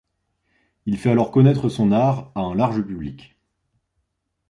Il fait alors connaître son art à un large public.